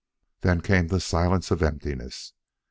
Then came the silence of emptiness.